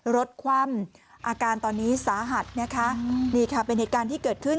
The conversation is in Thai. คว่ำอาการตอนนี้สาหัสนะคะนี่ค่ะเป็นเหตุการณ์ที่เกิดขึ้น